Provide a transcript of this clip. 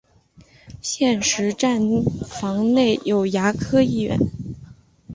现时站房内有牙科医院。